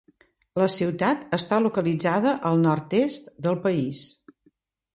La ciutat està localitzada al nord-est del país.